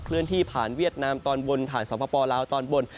เลื่อนที่ผ่านเวียดนามตอนบนผ่านสปลาวตอนบน